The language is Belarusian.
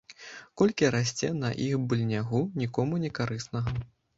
Колькі расце на іх быльнягу, нікому некарыснага.